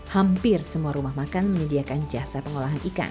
hampir semua rumah makan menyediakan jasa pengolahan ikan